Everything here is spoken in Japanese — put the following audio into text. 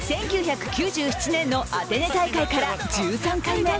１９９７年のアテネ大会から１３回目。